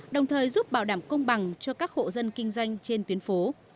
đồng thời giúp bảo đảm công bằng cho các hộ dân kinh doanh trên tuyến phố